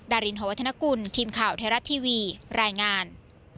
รินหวัฒนกุลทีมข่าวไทยรัฐทีวีรายงาน